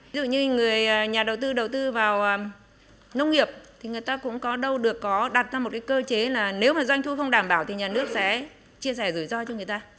ví dụ như nhà đầu tư đầu tư vào nông nghiệp thì người ta cũng có đâu được có đặt ra một cái cơ chế là nếu mà doanh thu không đảm bảo thì nhà nước sẽ chia sẻ rủi ro cho người ta